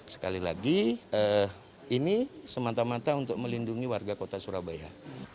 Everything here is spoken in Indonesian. sekali lagi ini semata mata untuk melindungi warga kota surabaya